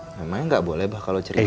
emangnya nggak boleh abah kalau ceria